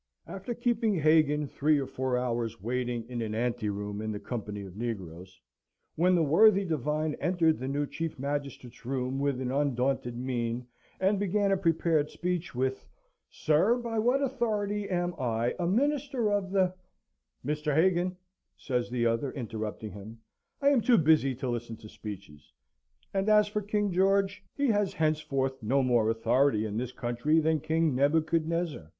After keeping Hagan three or four hours waiting in an anteroom in the company of negroes, when the worthy divine entered the new chief magistrate's room with an undaunted mien, and began a prepared speech with "Sir, by what authority am I, a minister of the " "Mr. Hagan," says the other, interrupting him, "I am too busy to listen to speeches. And as for King George, he has henceforth no more authority in this country than King Nebuchadnezzar.